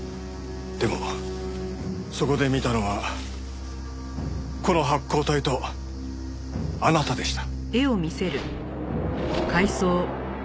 でもそこで見たのはこの発光体とあなたでした。